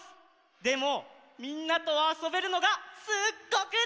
でもみんなとあそべるのがすっごくたのしみ！